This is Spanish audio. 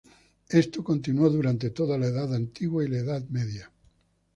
Esto continuó durante toda la Edad Antigua y la Edad Media.